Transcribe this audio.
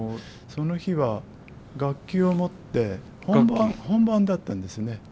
その日は楽器を持って本番だったんですね。